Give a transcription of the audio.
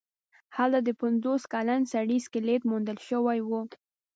هلته د پنځوس کلن سړي سکلیټ موندل شوی و.